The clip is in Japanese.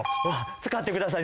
使ってください